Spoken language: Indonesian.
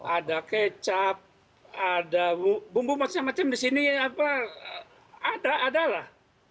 ada kecap ada bumbu macam macam di sini ada ada lah